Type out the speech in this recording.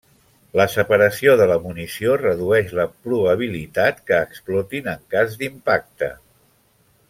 La separació de la munició redueix la probabilitat que explotin en cas d'impacte.